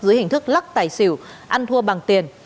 dưới hình thức lắc tài xỉu ăn thua bằng tiền